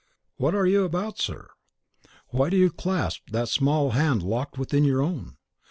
What are you about, sir? Why do you clasp that small hand locked within your own?